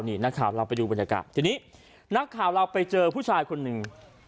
นี่นักข่าวเราไปดูบรรยากาศทีนี้นักข่าวเราไปเจอผู้ชายคนหนึ่ง